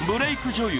女優